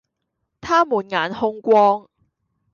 他滿眼兇光，